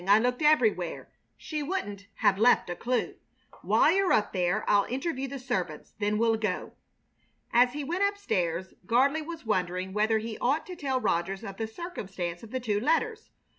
I looked everywhere. She wouldn't have left a clue. While you're up there I'll interview the servants. Then we'll go." As he went up stairs Gardley was wondering whether he ought to tell Rogers of the circumstance of the two letters.